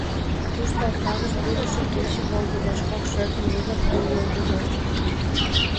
Тушто окна гыч пурышо кече волгыдеш кок шӧртньӧ йыгыр пӱй йылгыжеш.